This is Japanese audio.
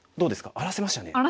荒らせましたね。